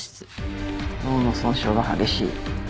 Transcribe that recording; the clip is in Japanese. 脳の損傷が激しい。